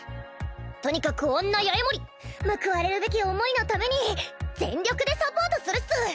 とにかく女・八重森報われるべき思いのために全力でサポートするっス！